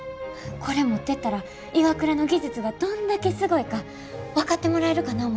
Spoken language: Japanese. これ持ってったらＩＷＡＫＵＲＡの技術がどんだけすごいか分かってもらえるかな思て。